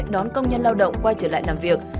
đón công nhân lao động quay trở lại làm việc